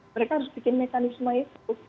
mereka harus bikin mekanisme itu